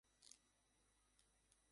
দুজন দুজনকে ভালোবাসে।